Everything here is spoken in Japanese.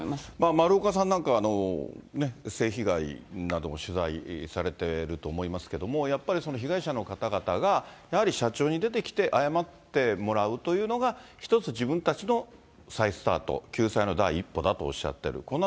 丸岡さんなんかは、性被害なども取材されていると思いますけれども、やっぱり被害者の方々が、やはり社長に出てきて謝ってもらうというのが、一つ、自分たちの再スタート、救済の第一歩だとおっしゃってる。